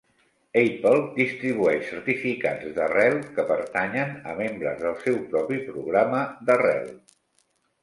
Apple distribueix certificats d'arrel que pertanyen a membres del seu propi programa d'arrel.